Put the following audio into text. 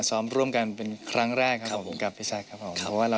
ส่วนจะพิเศษขนาดไหนทั้งคู่บอกว่าขออุบเอาไว้ก่อน